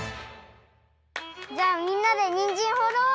じゃあみんなでにんじんほろう！